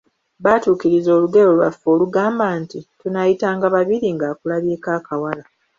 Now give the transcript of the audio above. Baatukiriza olugero lwaffe olugamba nti, “Tunaayitanga babiri ng’akulabyeko akawala.”